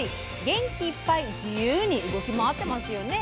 元気いっぱい自由に動き回ってますよね。